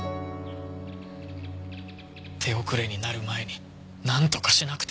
手遅れになる前になんとかしなくては。